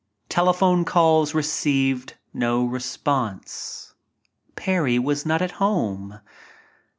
one calls received no response — Parry was not at home.